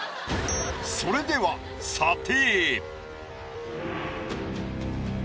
それでは査定。